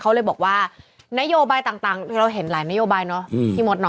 เขาเลยบอกว่านโยบายต่างเราเห็นหลายนโยบายเนาะพี่มดเนาะ